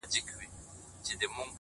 د مسجد لوري. د مندر او کلیسا لوري.